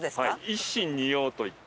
一芯二葉といって。